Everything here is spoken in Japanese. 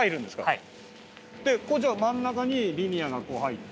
はい。